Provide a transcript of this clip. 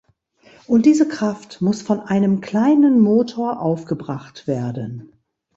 Und diese Kraft muss von einem kleinen Motor aufgebracht werden.